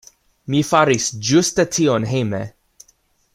Mi faris ĝuste tion hejme.